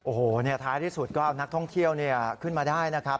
โอ้โหท้ายที่สุดก็เอานักท่องเที่ยวขึ้นมาได้นะครับ